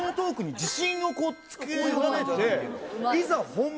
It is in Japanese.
いざ。